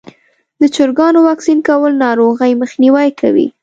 د چرګانو واکسین کول ناروغۍ مخنیوی کوي.